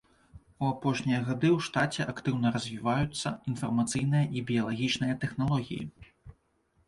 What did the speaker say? У апошнія гады ў штаце актыўна развіваюцца інфармацыйныя і біялагічныя тэхналогіі.